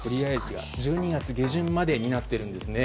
１２月下旬までになっているんですね。